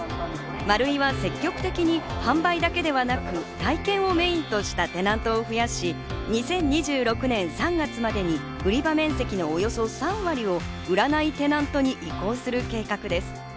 マルイは積極的に販売だけではなく、体験をメインとしたテナントを増やし、２０２６年３月までに売り場面積のおよそ３割を売らないテナントに移行する計画です。